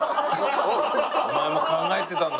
お前も考えてたんだ。